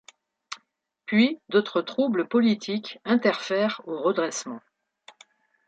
Puis, d'autres troubles politiques interfèrent au redressement.